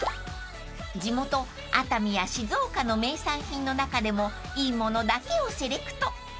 ［地元熱海や静岡の名産品の中でもいいものだけをセレクト］